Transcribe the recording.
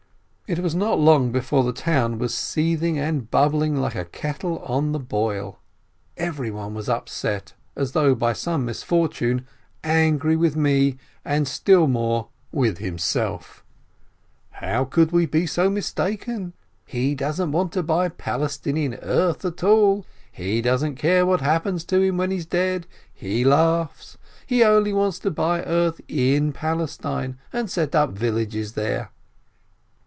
It was not long before the town was seething and bubbling like a kettle on the boil, everyone was upset as though by some misfortune, angry with me, and still more with himself: "How could we be so mistaken? He doesn't want to buy Palestinian earth at all, he doesn't care what happens to him when he's dead, he laughs — he only wants to buy earth in Palestine, and set up villages there."